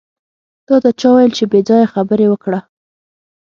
تاته چا وېل چې پې ځایه خبرې وکړه.